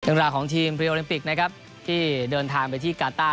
ราวของทีมโอลิมปิกนะครับที่เดินทางไปที่กาต้า